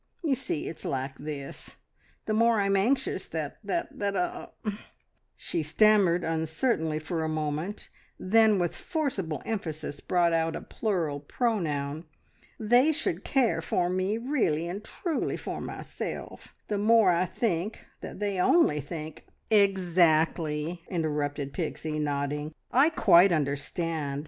You see it's like this: the more I'm anxious that that, er er," she stammered uncertainly for a moment, then with forcible emphasis brought out a plural pronoun, "they should care for me really and truly for myself, the more I think that they only think " "Exactly!" interrupted Pixie, nodding. "I quite understand."